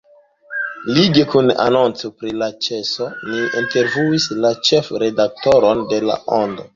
Lige kun la anonco pri la ĉeso ni intervjuis la ĉefredaktoron de La Ondo.